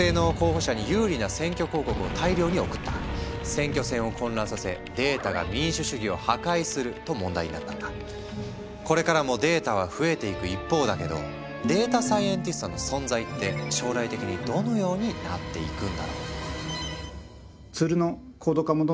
選挙戦を混乱させこれからもデータは増えていく一方だけどデータサイエンティストの存在って将来的にどのようになっていくんだろう？